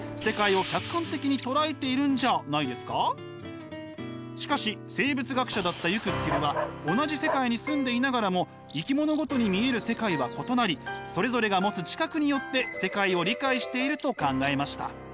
そんな感じでしかし生物学者だったユクスキュルは同じ世界に住んでいながらも生き物ごとに見える世界は異なりそれぞれが持つ知覚によって世界を理解していると考えました。